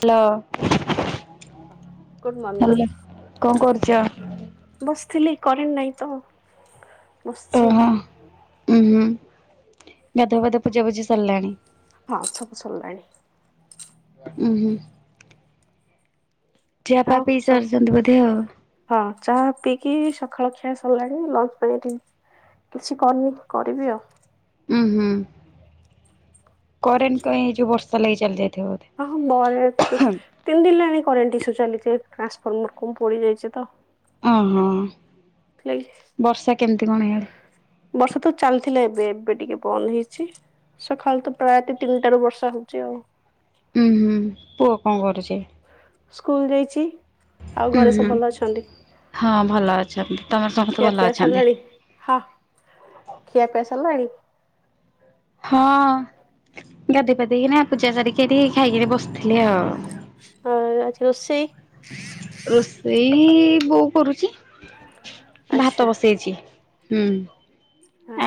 ପ୍ଲ good hello. କଣ କରୁଛ? Morning. ବସିଥିଲି କରେଣ୍ଟ ନାଇଁ ତ ବସିଛି ଓହୋ। ଆଉ। ଉୁଁ ହୁଁ ଗାଧଆ ବାଧୁଆ ପୂଜା ପୁଜି ସାରିଲାଣି। ହଁ ସବୁ ସଲାଣି। ଉଁ ହୁଁ। ଖିଆ ପା ଆଉ ପିଇ ସବୁ ସାରିଛନ୍ତି ବୋଧେ ଆଉ। ହଁ ଚାହା ପିଇକି ସକାଳ ଖିଆ ସଲାଣି ଲଞ୍ଚ ପାଇଁ ଏଠି କିଛି କରିନି କରିବି ଆଉ। ଉୁଁ ହୁଁ କରେଣ୍ଟ ପାଇଁ ଏଇ ଯୋଉ ବର୍ଷା ଲାଗି ଚାଲି ଯାଇଥିବ ବୋଧେ। ହଁ ହଁ [unintelligible] ତିନି ଦିନ ହେଲାଣି କରେଣ୍ଟ ଇସ୍ୟୁ ଚାଲିଛ ଟ୍ରାନ୍ସଫର୍ମର କଁ ପୋଡ଼ିଯାଇଛି ତ। ଅ ହଁ କ୍ଲେଇ ବର୍ଷା କେମିତି କଣ ଇଆଡ଼େ? ବର୍ଷା ତ ଚାଲିଥିଲା ଏବେ ଏବେ ଟିକେ ବନ୍ଦ ହେଇଛି। ସକାଳୁ ତ ପ୍ରାୟତି ତିନିଟାରୁ ବର୍ଷା ହଉଛି ଆଉ। ଉୁଁ ହୁଁ ପୁଅ କଁ କରୁଛି? ସ୍କୁଲ ଯାଇଛି। ଆଉ ଉଁ ଘରେ ହୁଁ। ସବୁ ଭଲ ଅଛନ୍ତି? ହଁ ଭଲ ଅଛନ୍ତି ତମର ସମସ୍ତେ ଖିଆ ଭଲ ପିଆ ଅଛନ୍ତି? ସରିଲାଣି? ହଁ, ଖିଆପିଆ ସରିଲାଣି? ହଁ ଗାଧୋଇ ପାଧେଇକିନା ପୂଜା ସାରିକି ଏଠି ଖାଇକିରି ବସିଥିଲି ଆଉ। ଆ ଅଛି ରୋଷେଇ? ରୋଷେଇ ବୋଉ କରୁଚି ଆଚ୍ଛା ଭାତ ବସେଇଛି। ହୁଁ,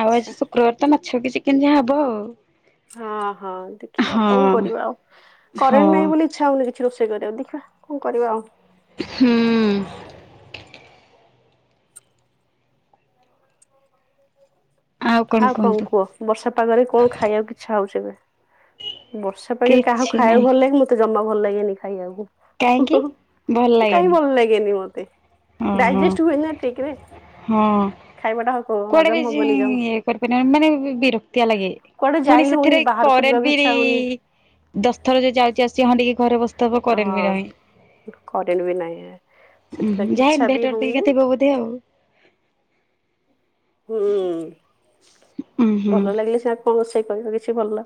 ଆଉ ଆଜି ଶୁକ୍ରବାର ତ ମାଛ କି ଚିକେନ ଯାହା ହବ ଆଉ। ହଁ ହଁ ଦେଖିବା ଆଉ ହଁ କଁ କରିବା ଆଉ କରେଣ୍ଟ ହଁ ନାହିଁ ବୋଲି ଇଚ୍ଛା ହଉନି କି ଛି ରୋଷେଇ କରିବାକୁ ଦେଖିବା କଁ କରିବା ଆଉ। ହଁ ଆଉ କଣ କୁହ ବର୍ଷା ପାଗରେ କଣ ଖାଇବାକୁ ଇଚ୍ଛା ହଉଛି ଏବେ? ବର୍ଷା ପାଖରେ କାହାକୁ କିଛି ନାହିଁ ଖାଇବାକୁ ଭଲ ଲାଗେ ମତେ ଜମା ଭଲ ଲାଗେନି ଖାଇବାକୁ। କାହିଁକି ଭଲ ମତ କାଇଁ ଲାଗେନି ଭଲ ଲାଗେନି ମୋତେ। ଓହୋ ଡାଇଜେଷ୍ଟ ହୁଏ ନା ଠିକ୍ ରେ ଖାଇବାଟା ହ କୁଆଡ଼େ ବି ହଜମ ଜିଁ ହବନି ଜମା ଇଏ କରିପେନା ମାନେ ବିରକ୍ତିଆ ଲାଗେ। କୁଆଡେ ଯାଇ ପୁଣି ହଉନି ସେଥିରେ ବାହାରକୁ କରେଣ୍ଟ ଯିବାକୁ ବିରି ଇଚ୍ଛା ହଉନି ଦଶଥର ଯୋଉ ଯାଉଛି ଆସିଛି ହଁ ଟିକେ ଘରେ ବସି ଥବ କରେଣ୍ଟ୍ ବି ହଁ ନାହିଁ। କରେଣ୍ଟ ବି ନାହିଁ ସେଥିଲାଗି ଯାହା ଇଚ୍ଛା ବି ଇନଭେଟର ହେରିକା ହଉନି ଥିବ ବଧେ ଦେ ଆଉ ହୁଁ ଉଁ ହୁଁ। ଭଲ ଲାଗିଲେ ସେ ଆଉ କଣ ରୋଷେଇ କରିବେ କିଛି ଭଲ।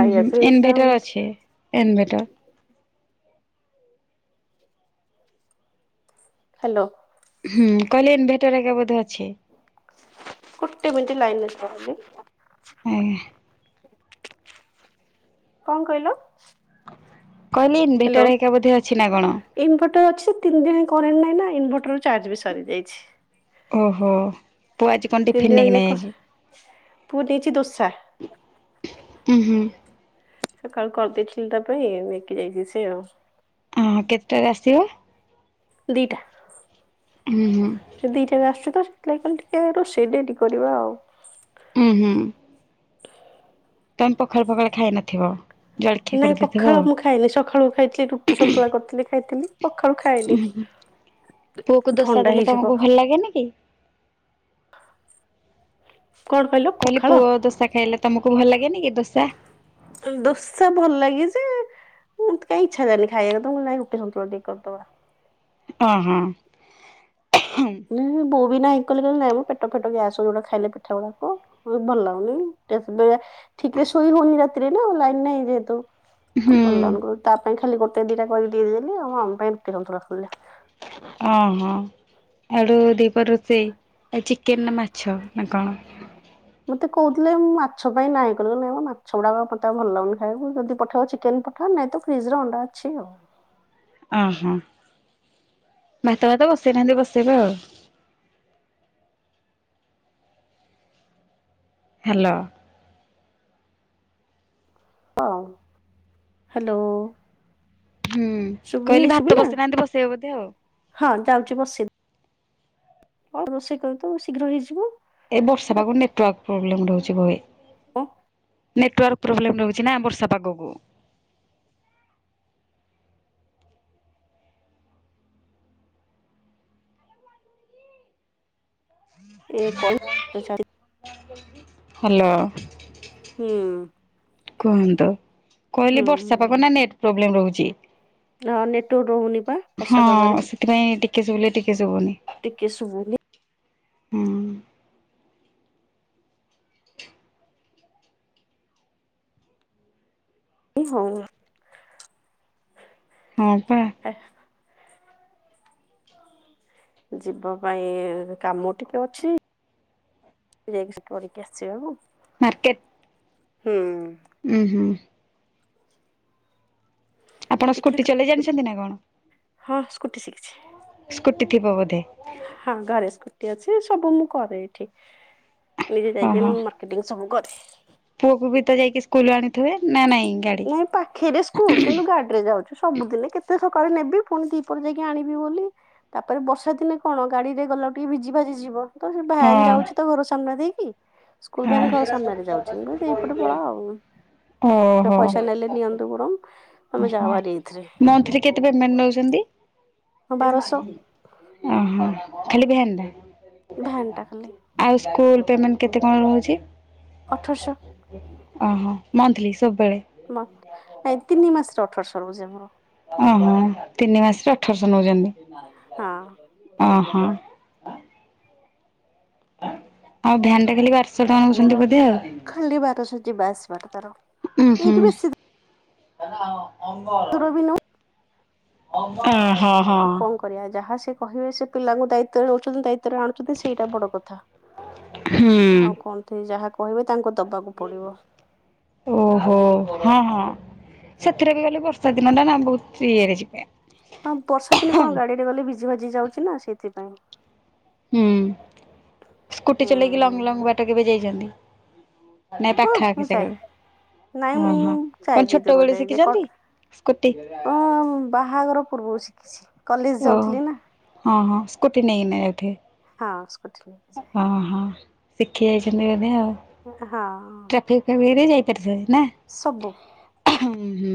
ହୁଁ ଇଚ୍ଛା ହଉନି ଇନଭେଟର ଅଛି ଇନଭେଟର? ହାଲୋ ହୁଁ କହିଲେ ଇନଭେଟର ହେରିକା ବୋଧେ ଅଛି। ଗୋଟେ ମିନିଟ୍ ଲାଇନରେ ଥାଅ ବୋଲି। ଆଜ୍ଞା କଣ କହିଲ? କହିଲି ଇନଭେଟର ହେଇକା ବୋଧେ ଅଛି ନା କଣ? ଇନଭଟର ଅଛି ତିନି ଦିନ କରେଣ୍ଟ ନାହିଁ ନା ଇନଭଟରରୁ ଚାର୍ଜ ବି ସରିଯାଇଛି। ଓହୋ ପୁଅ ଆଜି କଣ ତିନି ଟିଫିନ୍ ଦିନ ନେକକିନା ଯାକ ଯାଇଛି? ପୁଅ ନେଇଛି ଦୋସା ହୁଁ ହୁଁ ସକାଳୁ କରିଦେଇଥିଲି ତା ପାଇଁ ନେଇକି ଯାଇଛି ସେ ଆଉ। ଅ ହଁ କେତେଟାରେ ଆସିବ? ଦିଟା ହୁଁ ହୁଁ ସେ ଦିଇଟାରେ ଆସୁଛି ତ ସେଥିଲାଗି କହିଲି ଟିକେ ରୋଷେଇ ଡ଼େରି କରିବା ଆଉ। ହୁଁ ହୁଁ ତମେ ପଖାଳ ଫଖାଳ ଖାଇ ନଥିବ? ଜଳଖିଆ ନାଇଁ କରିଦେଇଥିବ ପଖାଳ ଆଉ। ମୁଁ ଖାଏନି ସଖାଳୁ ଖାଇଥିଲି ରୁଟି ସନ୍ତୁଳା କରିଥିଲି ଖାଇଥିଲି ପଖାଳୁ ଖାଏନି। ପୁଅ କ ଦୋସା ଥଣ୍ଡା ଦେଲେ ହେଇଯିବ ତମକୁ ଭଲ ଲାଗେନି କି? କଣ କହିଲୁ? କହିଲି ପୁଅ ଦୋସା ଖାଇଲେ ତମକୁ ଭଲ ଲାଗେନି କି ଦୋସା? ଦୋସା ଭଲ ଲାଗେ ଯେ ମୁଁ ତ କାଇଁ ଇଚ୍ଛା ହେଲାନି ଖାଇବାକୁ ମୁଁ କହିଲି ନାଇଁ ରୁଟି ସନ୍ତୁଳା ଟିକେ କରିଦବା। ଅ ହଁ ହୁଁ। ନାଇଁ ବୋଉ ବି ନା ନଁ ମୁଁ ପେଟ ଫେଟ ଗ୍ୟାସ ଯୋଉଡା ଖାଇଲେ ପିଠା ଗୁଡାକ। ଭଲ ଲାଗୁନି ଠିକରେ ସୋଇ ହଉନି ରାତିରେ ନା ଲାଇନ ନାହିଁ ଯେହେତୁ ହୁଁ। ଭଲ କ ତା ପାଇଁ ଖାଲି ଗୋଟେ ଦିଟା କରିକି ଦେଇଦେଲି ଆଉ ଆମ ପାଇଁ ରୁଟି ସନ୍ତୁଳା କଲି। ଓ ହୋ ଆଡୁ ଦିପହର ରୋଷେଇ ଆଉ ଚିକେନ ନା ମାଛ ନା କଣ? ମତେ କହୁଥିଲେ ମୁଁ ମାଛ ପାଇଁ ନାଇଁ କର ନାଇଁ ମାଛ ଗୁଡାକ ମତେ ଭଲ ଲାଗୁନି ଖାଇକୁ ଯଦି ପଠେଇବ ଚିକେନ ହଁ ନାଇଁ ତ ଫ୍ରିଜରେ ଅଣ୍ଡା ଅଛି ଓହୋ ଭାତ ଭାତ ବସେଇନାହାନ୍ତି ବସେଇବା ଆଉ ହ୍ୟାଲୋ ହ ହ୍ୟାଲୋ ହୁଁ ଶୁଭୁନି କହିଲି ଭାତ ଶୁଭିଲା ବସେଇନାହାନ୍ତି ବସେଇବ ବୋଧେ ଆଉ ହଁ ଯାଉଛି ବସି ହଉ ରୋଷେଇ କର ତୁ ଶୀଘ୍ର ହେଇଯିବୁ। ଏ ବର୍ଷା ପାାଗ ନେଟୱାର୍କ ପ୍ରୋବ୍ଲେମ ରହୁଛି ବ ହବ ନେଟୱାର୍କ ପ୍ରୋବ୍ଲେମ ରହୁଛି ନା ବର୍ଷା ପାଗକୁ। ହ୍ୟାଲୋ ହୁଁ କୁହନ୍ତୁ କହିଲି ବର୍ଷା ପାଖ ହୁଁ ନା ନେଟ ପ୍ରୋବ୍ଲେମ ରହୁଛି। ହଁ ନେଟୱ ରହୁନି ବା ହଁ ବର୍ଷା ପାଗରେ ସେଥିପାଇଁ ଟିକେ ଶୁଲେ ଟିକେ ଶୁନି ଟିକେ ଶୁଭୁନି ହୁଁ ଏ ହଁ ହଁ ପା ଯିବା ପାଇଁ କାମ ଟିକେ ଅଛି। କରିକି ଆସିବ ବାବୁ ମାର୍କେଟ ଉୁଁ ହୁଁ ଆପଣ ଟିକେ ସ୍କୁଟି ଚଲେଇ ଜାଣିଛନ୍ତି ନା କଣ? ହଁ ସ୍କୁଟି ଶିଖିଛି। ସ୍କୁଟି ଥିବ ବୋଧେ ହଁ ଘରେ ସ୍କୁଟି ଅଛି। ସବୁ ମୁଁ କରେ ଏଠି। ନିଜେ ଯାଇକି ଓହୋ ମା କେଟିଂ ସବୁ କରେ। ପୁଅକୁ ବି ତ ଯାଇକି ସ୍କୁଲୁ ଆଣିଥିବେ? ନା ନାଇଁ ଗାଡି? ନାଇଁ ପାଖରେ ସ୍କୁଲ କିନ୍ତୁ ଗାଡିରେ ଯାଉଛୁ। ସବୁଦିନେ କେତେ ସକାଳୁ ନେବି ପୁଣି ଦିପହରେ ଯାଇକି ଆଣିବି ବୋଲି ତାପରେ ବର୍ଷା ଦିନେ କଣ ଗାଡ଼ିରେ ଗଲାଉ ଟିକେ ଭିଜି ଭାଜିଯିବ। ତ ସେ ହଁ ଭ୍ୟାନ୍ ଯାଉଛି ତ ଘର ସାମ୍ନା ଦେଇକି କୁଲଭ୍ୟାନ ଘର ହଁ ସାମ୍ନାରେ ଯାଉଛି ମୁଁ କହିଲି ଏଇପଟେ ପଳା ଆଉ। ହଁ ଓହୋ। ପଇସା ନେଲେ ନିଅନ୍ତୁ ବରଂ ତମେ ଯାଅ ଭାରି ଏଇଥିରେ। ସେଠି କେତେ ପେମେଣ୍ଟ୍ ନଉଛନ୍ତି? ହଁ ସେ ବାରଶହ ନାହିଁ। ଆହାଃ ଖାଲି ଭ୍ୟାନ୍ ଟା। ଭ୍ୟାନ୍ ଟା ଖାଲି। ଆଉ ସ୍କୁଲ୍ ପେମେଣ୍ଟ୍ କେତେ କଣ ରହୁଛି? ଅଠରଶହ ଆହଃ ମନ୍ଥ୍ଲି ସବୁବେଳେ? ମ। ନାଇଁ ତିନି ମାସରେ ଅଠର ସ ରହୁଛି ଆମର। ଅହଃ ତିନି ମାସରେ ଅଠରଶହ ନଉଛନ୍ତି? ହଁ। ଅହଃ। ଆଉ ଭ୍ୟାନ୍ ଟା ଖାଲିି ବାରଶହ ଟଙ୍କା ନେଉଛନ୍ତି ବୋଧେ ଆଉ। ଖାଲି ବାର ଶହ ଯିବା ଆସିବା ଟା ତାର। ଏଇଠି ବେଶି [unintelligible] ଅଙ୍ଗ ଦୂର ବି ନୋଉ। ଅଁ ହଁ ହଁ। ଆଉ କଣ କରିଆ? ଯାହା ସେ କହିବେ ସେ ପିଲାଙ୍କୁ ଦାୟିତ୍ବ ରେ ନଉଛନ୍ତି ଦାୟିତ୍ବରେ ଆଣୁଛନ୍ତି ସେଇଟା ବଡ଼ କଥା। ଆଉ କଣ ତେ ଯାହା କହିବେ ତାଙ୍କୁ ଦବାକୁ ପଡ଼ିବ। ଓହୋ ହଁ ହଁ ସେଥିରେ ବି ଗଲେ ବର୍ଷା ଦିନଟା ନା ବହୁତ ଇଏରେ ଯିବେ। ହଁ ବର୍ଷା ଦିନେ କଣ ହୁଁ। ଗାଡିରେ ଗଲେ ଭିଜି ଭାଜି ଯାଉଛି ନା, ସେଥିପାଇଁ। ହୁଁ, ସ୍କୁଟି ହୁଁ ଚଲେଇକି ଲଙ୍ଗ୍ ଲଙ୍ଗ୍ ବାଟ କେବେ ଯାଇଛନ୍ତି? ନାଇଁ ହଁ ପାଖାଆ ମୁଁ ଯାଏ [unintelligible] ନାଇଁ ମୁଁ ଅହଃ ଯାଏ କଣ ବି ଦୂର ଛୋଟବେଳୁ ଯାଏ କଟକ ଶିଖିଛନ୍ତି ସ୍କୁଟି? ହଁ ବାହାଘର ପୂର୍ବରୁ ଶିଖିଛି। କଲେଜ ଓ ଯାଉଥିଲି ନା। ହଁ ହଁ ସ୍କୁଟି ନେଇକିନା ହଁ ସ୍କୁଟି ଯାଉଥିବେ? ନେଇକି ହଁ ହଁ। ଶିଖିଯାଇଛନ୍ତି ବୋଧେ ଆଉ। ହଁ। ଟ୍ରାଫିକ୍ [unintelligible] ସବୁ। ଓହ୍ ହୁଁ।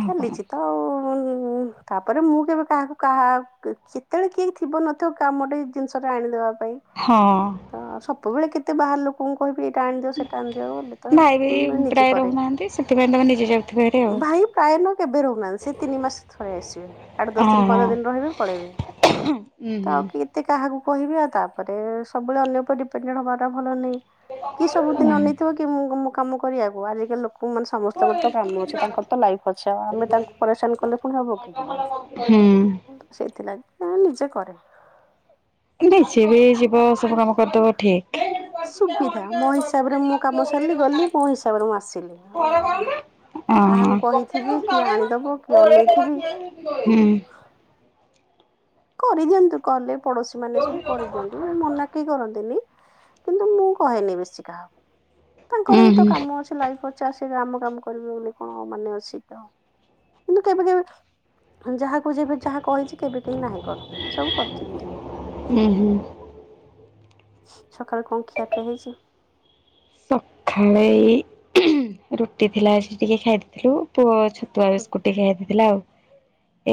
ଆଉ କଣ ଚାଲିଛି ତ ଆଉ, ତାପରେ ମୁଁ କେବେ କାହାକୁ କାହା କି କେତେବେଳେ କେହି ଥିବ ନଥିବ କାମଟେ ଜିନ୍ଷଟେ ଆଣିଦେବା ପାଇଁ ହଁ। ତ ସବୁବେଳେ କେତେ ବାହାର ଲୋକ ମୁଁ କହିବି ଏଇଟା ଆଣିଦିଅ, ସେଇଟା ଆଣିିଦିଅ ତ ଭାଇ ବି ନିଜେ ପ୍ରାୟ କରେ, ରହୁନାହାନ୍ତି ସେଥିପାଇଁ ତମେ ନିଜେ ଯାଉଥିବ ହେରି ଆଉ ଭାଇ ପ୍ରାୟତ କେବେ ରହୁନାହାନ୍ତି। ସେ ତିନି ମାସ ଥରେ ଆସିବେ। ଆଠ ଦଶ ଦିନ୍ ହଁ ପନ୍ଦର ଦିନ ରହିବେ ପଳେଇବେ। ହଁ ହୁଁ। ତ ଆଉ କେତେ କାହାକୁ କହିବି? ଆଉ ତାପରେ ସବୁବେଳେ ଅନ୍ୟ ଉପରେ ଡ଼ିପେଣ୍ଡେଣ୍ଟ ହବାଟା ଭଲ ନୁହେଁ। କି ଉଁ ହୁଁ ହୁଁ ସବୁଦିନ ଅନେଇଥିବ କି ମୁଁ ମୋ କାମ କରିବାକୁ? ଆଜିକାଲି ଲୋକ ମୁଁ ମାନେ ସମସ୍ତଙ୍କର ତ କାମ ଅଛି। ତାଙ୍କର ତ ଲାଇଫ ଆଚ୍ଛା, ଆମେ ତାଙ୍କୁ ପରେଶାନ। କଲେ ପୁଣି ହବ କି? ହୁଁ ୁ ସେଇଥିଲାଗି ମୁଁ ନିଜେ କରେ। [unintelligible] ଚିରି ଯିବ ସବୁ କାମ କରିଦବ ଠି ସୁବିଧା। ମୋ ହିସାବରେ ମୁଁ କାମ ସାରିଲି ଗଲି, ମୋ ହିସାବରେ ମୁଁ ଆସିଲି। ଆଉ କାହାକୁ କହିଥିବି କିଏ ଆଣିଦବ କିଏ ଅନେଇଥିବି [unintelligible] କରିଦିଅନ୍ତୁ କହଲେ ପଡୋଶୀ ମାନେ ସବୁ କରିଦିଅନ୍ତି। ମନା କେହି କରନ୍ତି ନି। କିନ୍ତୁ ମୁଁ କହେନି ବେଶୀ କାହାକୁ ତାଙ୍କର ବି ହୁଁ ତ କାମ ଅଛି। ଲାଇଫ୍ ପଡ଼ଚି ଆସିକି ଆମ କାମ କରିବେ ବୋଲି କଣ ମାନେ ଅଛି ତ। କିନ୍ତୁ କେବେ କେବେ ହୁଁ ଯାହାକୁ ଯେବେ ଯାହା କହିଚି କେବେ କେହି ନାହିଁ କରଥାନ୍ତି ସବୁ କରିଦିଅନ୍ତୁ। ଉଁ ହୁଁ। ସଖାଳେ କଣ ଖିଆପିଆ ହେଇଛି? ସଖାଳେ ଉଁ ହୁଁ ରୁଟି ଥିଲା ସେ ଟିକେ ଖାଇ ଦେଇଥିଲୁ। ପୁଅ ଅ ଛ ତୁଆ ହୁଁ ବିସ୍କୁଟ ଟିକେ ଖାଇ ଦେଇଥିଲା ଆଉ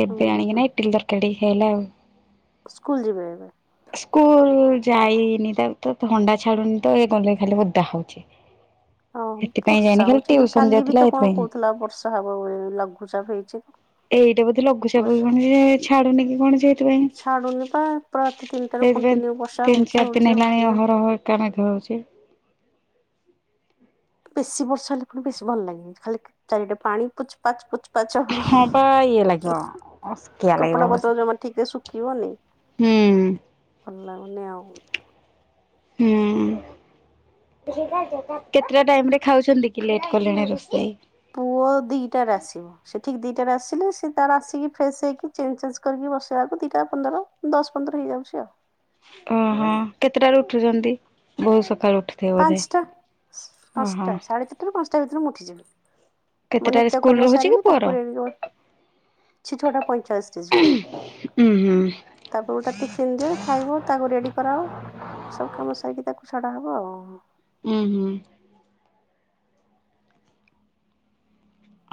ଏବେ ହୁଁ ଆଣିକିନା ଇଟିଲି ତରକାରୀ ଟିକେ ଖାଇଲା ଆଉ। ସ୍କୁଲ ଯିବେ ଏବେ। ସ୍କୁଲ ଲ ଲ ଯାଇନି ତାକୁ ତ ଥଣ୍ଡା ଛାଡୁନି ତ ଏ ଗଲେ ଖାଲି ଓଦା ହଉ ଚି। ହଁ ବର୍ଷା ହଉଚି ନା କାଲି ବି ତ କଣ ସେଥିପାଇଁ। କହୁଥିଲା ବର୍ଷା ହେବ ବୋଲି ଲଘୁଚାପ ହେଇଚି ତ। ଏଇଟା ବୋଧେ ଲଘୁଚାପ କି କଣ ଯେ ଏ ଏ ଛାଡୁନି କି କଣ ସେଇଥିପାଇଁ। ଛାଡୁନି ପା। ପୁରା ରାତି ତିନିଟାରୁ ସେଇଥିପାଇଁ କଣ୍ଟିନ୍ୟୁ ବର୍ଷା ତିନ ହଉଛି ଚାର ହଉଛି ଦିନ ହଉଛି ହେଲାଣି ଯେ ଅହରହ ଏକା ମେଘ ହଉଚି। ବେଶୀ ବର୍ଷା ହେଲେ ଫୁଣି ବେଶୀ ଭଲ ଲାଗେନି ଖାଲି ଚାରିଆଡେ ପାଣି ପୁଚ୍ ପାଚ୍ ପୁଚ୍ ପାଚ୍ ହବ ହଁ ପା ଇଏ ଲାଗିବ ହିଁ ହିଁ ଅସ୍କିଆ ଲାଗିବ କପଡା ପତ୍ର ବସିକି। ଯମା ଠିକରେ ଶୁକିବନି। ହୁଁ। ଭଲ ଲାଗୁନି ଆଉଁ। ହୁଁ। କେତେଟା ଟାଇମରେ ଖାଉଛନ୍ତି କି ଲେଟ୍ କଲେଣି ରୋଷେଇ? ପୁଅ ଦି ଟାରେ ଆସିବ। ସେ ଠିକି ଦିଟାରେ ଆସିଲେ ସେ ତାର ଆସିକି ଫ୍ରେଶ ହେଇକି ଚେଞ୍ଜ ଚାଞ୍ଜ କରିକି ବସେ ଆଗ ଦିଟା ପନ୍ଦର ଦଶ ପନ୍ଦର ହେଇଯାଉଚି ଆଉ। ଓହୋ କେତେଟାରୁୁ ଉଠୁଚନ୍ତି? ବହୁତ ସକାଳୁ ଉଠ୍ ପାଁଶଟା ପାଁଶଟା ସାଢେ ଚାରିଟାରୁ ପାଁଶଟା ଭିତରେ ମୁଁ ଉଠିଯିବି। ମୋ କେତେଟାରେ ନିତ୍ୟ ସ୍କୁଲ କର୍ମ ରହୁଛି କି ସାରିବି ପୁଅର? ତାକୁ ରେଡି ରୁଆ ସେ ଛଅଟା ପଇଁଚାଳିଶରେ ଯିବ। ଉଁ ହୁଁ। ତାପରକୁ ତା ଟିଫିନ୍ ଦିଅ ଖାଇବ ତାକୁ ରେଡି କରାଅ ସବୁ କାମ ସାରିକି ତାକୁ ଛାଡା ହବ ଆଉ। ହଁ। ଉଁ ହୁଁ।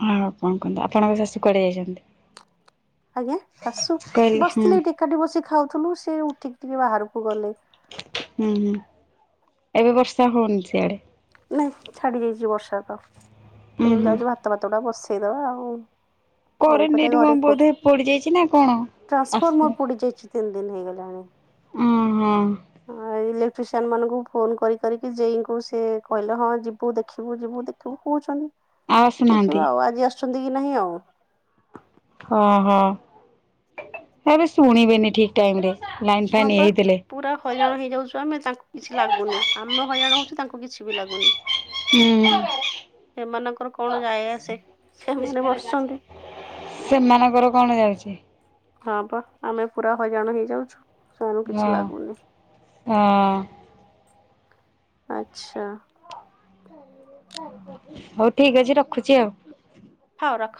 ହଁ ଆପଣ କୁହନ୍ତୁ ଆପଣଙ୍କ ଶାଶୁ କୁଆଡ଼େ ଯାଇଚନ୍ତି? ଆଜ୍ଞା ଶାଶୁ କହିଲି ହୁଁ ବସିଥିଲେ ଏଠି ଏକାଠି ବସି ଖାଉଥୁଲୁ ସେ ଉଠିକି ଟିକେ ବାହାରକୁ ଗଲେ। ହୁଁ ହୁଁ ଏବେ ବର୍ଷା ହଉନି ସିଆଡ଼େ। ନାଇଁ ଛାଡି ଯାଇଚି ବର୍ଷା ତ ଉୁଁ କହିଲି ହୁଁ ଯାଉଚି ଭାତ ଭାତ ଗୁଡା ବସେଇଦବା ଆଉ। କଣ କରେଣ୍ଟ ଏଇଠି କରିବା କଣ ଘରେ ଏକୁଟ ବୋଧେ ପୋଡିଯାଇଛି ନା କଣ? ଆସୁ ଟ୍ରାନ୍ସଫର୍ମର ପୋଡ଼ି ଯାଇଛି। ତିନ ଦିନ ହେଇଗଲାଣି ଓହୋ ଆଉ ହଁ ଇଲେକ୍ଟ ଟ୍ରିସିଆନ୍ ମାନଙ୍କୁ ଫୋନ କରି କରିିକି ଯେଇଙ୍କୁ ସେ କହିଲେ ହଁ ଯିବୁ ଦେଖିବୁ ଯିବୁ ଦେଖିବୁ କହୁଛନ୍ତି। ଆସୁନାହାନ୍ତି ଦେଖିବୁ ଆଉ ଆଜି ଆସ ଛନ୍ତିିକ କି ନାହିଁ ଆଉ। ଓହୋ ହେବି ଶୁଣିବେନି ଠିକ୍ ଟାଇମରେ ଲାଇନ ହଁ ଫାଇନ୍ ପା। ହେଇଥିଲେ। ପୁରା ହଇରାଣ ହେଇଯାଉଚୁ ଆମେ ତାଙ୍କୁ କିଛି ଲାଗୁନି ଆମେ ହଇରାଣ ହଉଚୁ ତାଙ୍କୁ କିଛି ବି ଲାଗୁନି। ହୁଁ। ସେମାନଙ୍କର କଣ ଯାଏ ଆସେ। ସେମାନେ ବସିଛନ୍ତି ସେମାନଙ୍କର କଣ ଯାଉଛି। ହଁ ପା ଆମେ ପୁରା ହଇରାଣ ହେଇଯାଉଛୁ ସେମାନଙ୍କୁ ହଁ କିଛି ଲାଗୁନି। ହଁ। ଆଚ୍ଛା। ହଉ ଠିକ୍ ଅଛି ରଖୁଛି ଆଉ। ହଉ ରଖ।